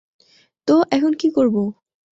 তো, এখন কী করব?